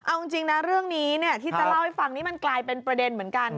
เอาจริงนะเรื่องนี้ที่จะเล่าให้ฟังนี่มันกลายเป็นประเด็นเหมือนกัน